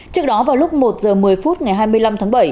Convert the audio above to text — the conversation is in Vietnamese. trước đó vào lúc một h một mươi phút ngày hai mươi năm tháng bảy